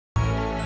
sampai jumpa lagi